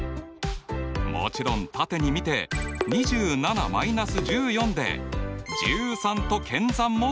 もちろん縦に見て２７−１４で１３と検算もできます！